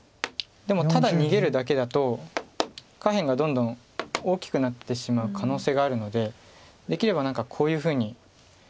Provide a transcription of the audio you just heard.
でもただ逃げるだけだと下辺がどんどん大きくなってしまう可能性があるのでできれば何かこういうふうに。